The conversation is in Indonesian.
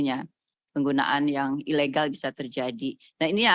yang mereka selesai pengambilannya